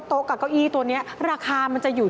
โต๊ะกับเก้าอี้ที่เอาไว้โชว์ครับผม